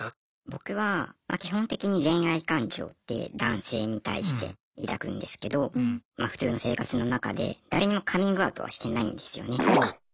僕は基本的に恋愛感情って男性に対して抱くんですけどま普通の生活の中で誰にもカミングアウトはしてないんですよね。